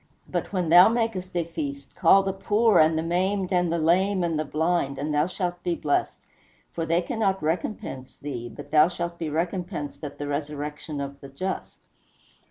But when thou makest a feast, call the poor, and the maimed, and the lame, and the blind, and thou shalt be blessed; for they cannot recompense thee, but thou shalt be recompensed at the resurrection of the just."